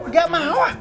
gak mau ah